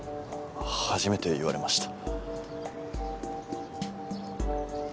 初めて言われました